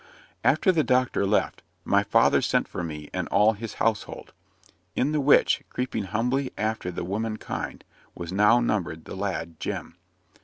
After the doctor left, my father sent for me and all his household: in the which, creeping humbly after the woman kind, was now numbered the lad Jem.